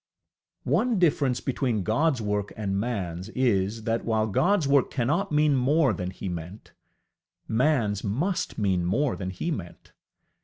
One difference between GodŌĆÖs work and manŌĆÖs is, that, while GodŌĆÖs work cannot mean more than he meant, manŌĆÖs must mean more than he meant.